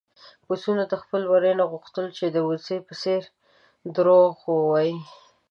پسونو د خپل وري نه وغوښتل چې د وزې په څېر دروغ ووايي.